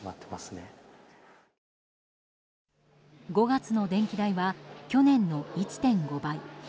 ５月の電気代は去年の１．５倍。